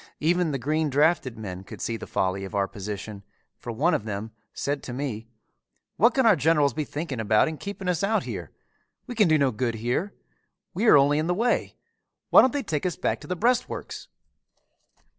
Even the green drafted men could see the folly of our position, for one of them said to me, "What can our generals be thinking about in keeping us out here! We can do no good here. We are only in the way. Why don't they take us back to the breastworks?"